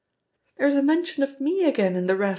"There's a mention of me again in The Bef!